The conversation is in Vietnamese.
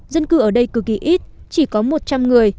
dân cư ở đây cực kỳ ít chỉ có một trăm linh người